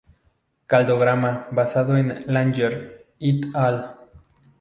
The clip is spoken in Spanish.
Cladograma basado en Langer "et al.